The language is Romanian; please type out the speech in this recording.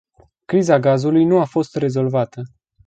Criza gazului nu a fost rezolvată.